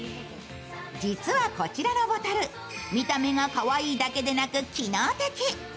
実はこちらのボトル、見た目がかわいいだけでなく機能的。